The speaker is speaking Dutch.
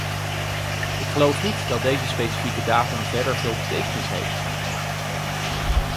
Ik geloof niet dat deze specifieke datum verder veel betekenis heeft.